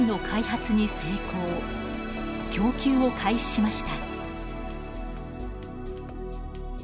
供給を開始しました。